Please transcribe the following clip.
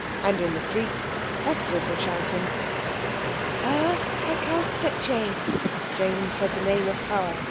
And in the street costers were shouting. "Ur Hekau Setcheh," Jane said the Name of Power.